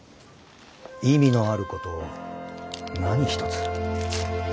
意味のあることを何一つ。